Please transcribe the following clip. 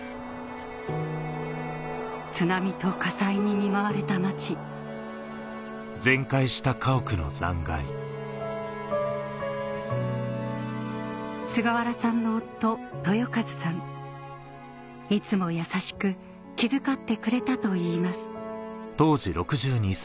津波と火災に見舞われた町菅原さんのいつも優しく気遣ってくれたといいます